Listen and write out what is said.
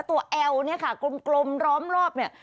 ตัวแอวนี่ค่ะกลมล้อมรอบนี่